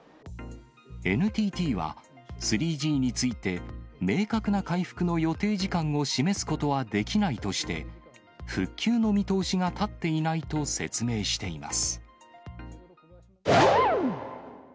ＮＴＴは、３Ｇについて明確な回復の予定時間を示すことはできないとして、復旧の見通しが立っていないと説明しています。